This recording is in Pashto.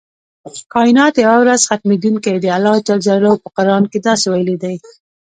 کائنات یوه ورځ ختمیدونکي دي الله ج په قران کې داسې ویلي دی.